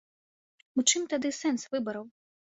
У чым тады сэнс выбараў?